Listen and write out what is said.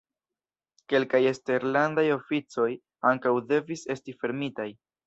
Kelkaj eksterlandaj oficoj ankaŭ devis esti fermitaj.